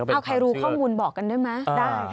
เอาใครรู้ข้อมูลบอกกันได้ไหม